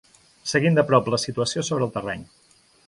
Seguint de prop la situació sobre el terreny.